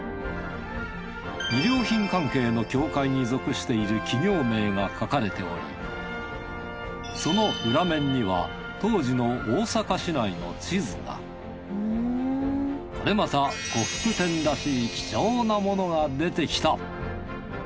衣料品関係の協会に属している企業名が書かれておりその裏面には当時の大阪市内の地図が。これまた呉服店らしい貴重なものが出てきた。